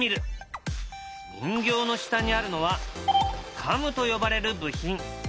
人形の下にあるのは「カム」と呼ばれる部品。